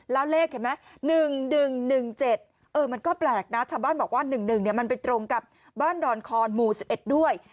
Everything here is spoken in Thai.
แล้วเลขเห็นไหม๑๑๑๑๗มันก็แปลกนะชาวบ้านบอกว่า๑๑มันไปตรงกับบ้านดอนคอนหมู่๑๑ด้วย